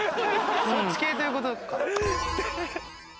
そっち系という事か？